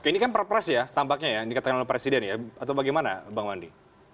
ini kan perpres ya tampaknya ya yang dikatakan oleh presiden ya atau bagaimana bang wandi